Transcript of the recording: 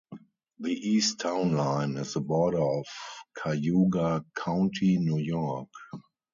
The east town line is the border of Cayuga County, New York.